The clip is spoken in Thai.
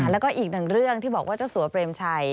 แล้วก็อีกหนึ่งเรื่องที่บอกว่าเจ้าสัวเปรมชัย